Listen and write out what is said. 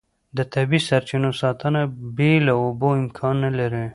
د طبیعي سرچینو ساتنه بې له اوبو امکان نه لري.